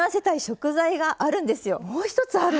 もう一つある？